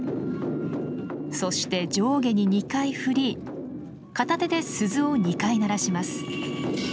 そして上下に２回振り片手で鈴を２回鳴らします。